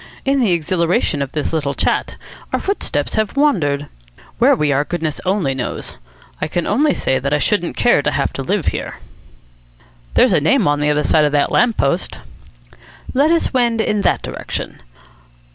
In the exhilaration of this little chat, our footsteps have wandered. Where we are, goodness only knows. I can only say that I shouldn't care to have to live here." "There's a name up on the other side of that lamp post." "Let us wend in that direction.